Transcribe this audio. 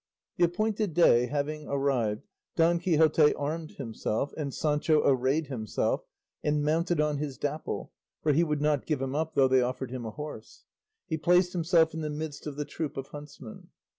The appointed day having arrived, Don Quixote armed himself, and Sancho arrayed himself, and mounted on his Dapple (for he would not give him up though they offered him a horse), he placed himself in the midst of the troop of huntsmen.